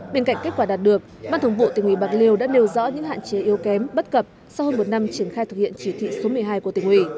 bên cạnh kết quả đạt được ban thống vụ tỉnh ủy bạc liêu đã nêu rõ những hạn chế yếu kém bất cập sau hơn một năm triển khai thực hiện chỉ thị số một mươi hai của tỉnh ủy